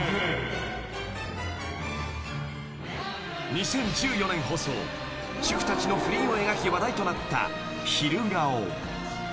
［２０１４年放送主婦たちの不倫を描き話題となった『昼顔』］